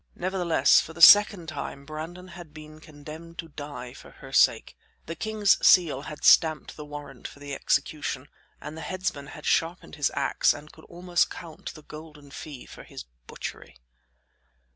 Nevertheless, for the second time, Brandon had been condemned to die for her sake. The king's seal had stamped the warrant for the execution, and the headsman had sharpened his ax and could almost count the golden fee for his butchery.